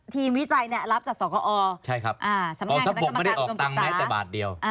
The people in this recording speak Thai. ถ้าผมไม่ได้ออกตังค์แม้แต่บาทเดียว